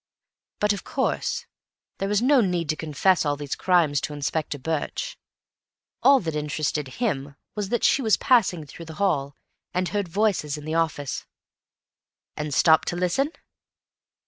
But, of course, there was no need to confess all these crimes to Inspector Birch. All that interested him was that she was passing through the hall, and heard voices in the office. "And stopped to listen?"